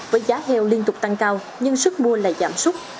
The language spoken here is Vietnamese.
với giá heo liên tục tăng cao nhưng sức mua lại giảm súc